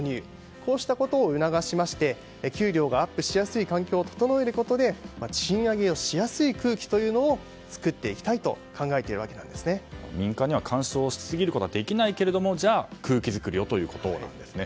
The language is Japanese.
こうしたことを促しまして給料がアップしやすい環境を整えることで賃上げをしやすい空気というのを作っていきたいと民間に干渉し過ぎることはできないけれども空気作りをということですね。